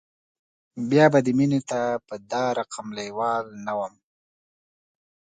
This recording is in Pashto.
بیا به دې مینې ته په دا رقم لیوال نه وم